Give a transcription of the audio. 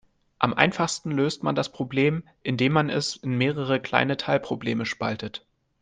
Am einfachsten löst man das Problem, indem man es in mehrere kleine Teilprobleme spaltet.